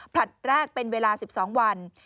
ผลัดแรกเป็นเวลา๑๒วัน